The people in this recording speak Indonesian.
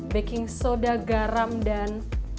baking soda garam dan